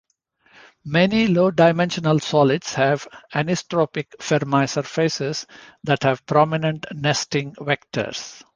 Many low-dimensional solids have anisotropic Fermi surfaces that have prominent nesting vectors.